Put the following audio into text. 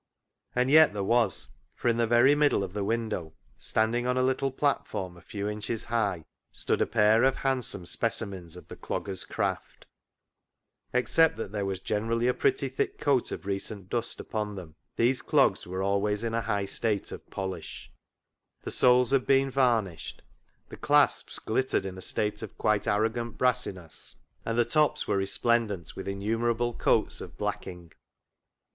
And yet there was, for in the very middle of the window, standing on a little platform a few inches high, stood a pair of handsome speci mens of the dogger's craft. Except that there was generally a pretty thick coat of recent dust upon them, these clogs were 32 CLOG SHOP CHRONICLES always in a high state of polish. The soles had been varnished, the clasps glittered in a state of quite arrogant brassiness, and the tops were resplendent with innumerable coats of blacking.